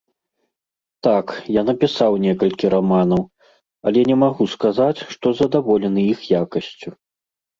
Так, я напісаў некалькі раманаў, але не магу сказаць, што задаволены іх якасцю.